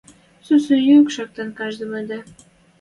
Сусу юк шактен каждый вадны.